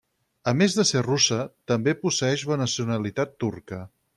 A més de ser russa, també posseeix la nacionalitat turca.